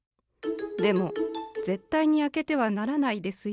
でも絶対に開けてはならないですよ。